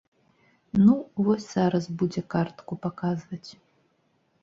Ну, вось зараз будзе картку паказваць.